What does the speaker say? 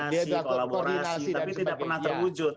tidak kita lakukan koordinasi kolaborasi tapi tidak pernah terwujud